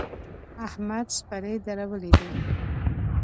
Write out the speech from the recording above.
احمد څپری درولی دی.